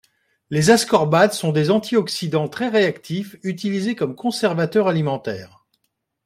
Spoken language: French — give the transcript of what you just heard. Les ascorbates sont des antioxydants très réactifs utilisés comme conservateurs alimentaires.